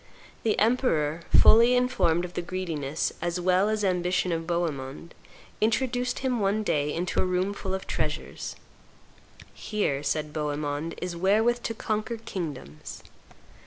The emperor, fully informed of the greediness as well as ambition of Bohemond, introduced him one day into a room full of treasures. "Here," said Bohemond, "is wherewith to conquer kingdoms."